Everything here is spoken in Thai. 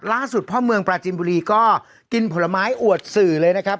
พ่อเมืองปราจินบุรีก็กินผลไม้อวดสื่อเลยนะครับ